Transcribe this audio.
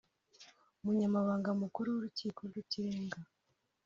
Umunyamabanga Mukuru w’Urukiko rw’ Ikirenga